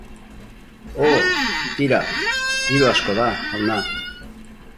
O, tira, diru asko da, jauna.